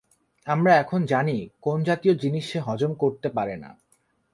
আমরা এখন জানি কোন জাতীয় জিনিস সে হজম করতে পারে না।